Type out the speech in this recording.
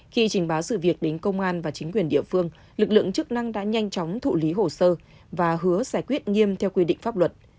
khi trình báo sự việc đến công an và chính quyền địa phương lực lượng chức năng đã nhanh chóng thụ lý hồ sơ và hứa giải quyết nghiêm theo quy định pháp luật